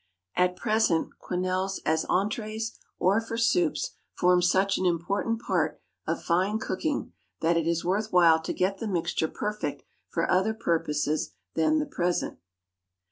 At present quenelles as entrées or for soups form such an important part of fine cooking that it is worth while to get the mixture perfect for other purposes than the present.